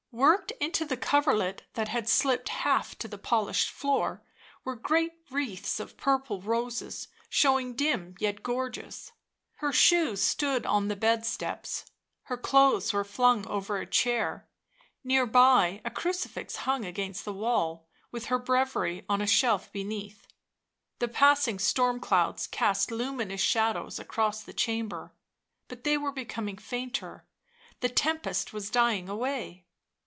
Worked into the coverlet, that had slipped half to the polished floor, were great wreaths of purple roses, showing dim yet gorgeous. Her shoes stood on the bed steps; her clothes were flung over a chair; near by a crucifix hung against the wall, with her breviary on a shelf beneath. The passing storm clouds cast luminous shadows across the chamber ; but they were becoming fainter, the tempest was dying away.